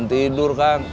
ya aku mau